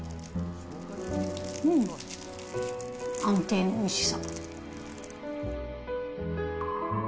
うん、安定のおいしさ。